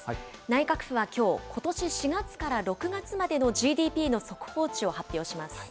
内閣府はきょう、ことし４月から６月までのＧＤＰの速報値を発表します。